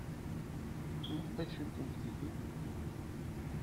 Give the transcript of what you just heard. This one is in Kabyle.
Maɣef ay cikkent deg-i?